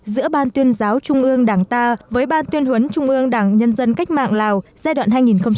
giữa ban tuyên giáo trung ương đảng ta với ban tuyên huấn trung ương đảng nhân dân cách mạng lào giai đoạn hai nghìn một mươi sáu hai nghìn hai mươi